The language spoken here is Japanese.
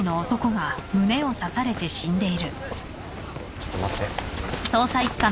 ちょっと待って。